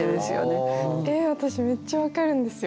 ええ私めっちゃ分かるんですよ。